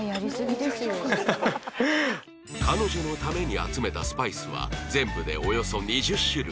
彼女のために集めたスパイスは全部でおよそ２０種類